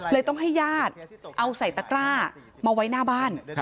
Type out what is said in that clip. ต้องให้ญาติเอาใส่ตะกร้ามาไว้หน้าบ้าน